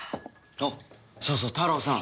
あっそうそうタロウさん